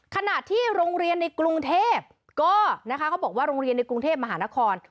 ขณะที่โรงเรียนในกรุงเทพก็นะคะเขาบอกว่าโรงเรียนในกรุงเทพมหานคร